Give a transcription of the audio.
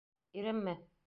Иремме?..